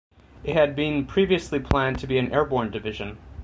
It had been previously planned to be an airborne division.